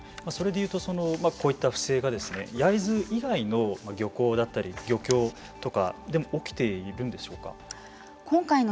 それで言うとこういった不正が焼津以外の漁港だったり漁協とかでも起きているんでしょうか。